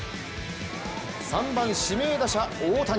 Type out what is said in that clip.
３番指名打者、大谷。